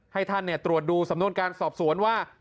ให้ท่านตรวจดูสำนวนการสอบสวนว่า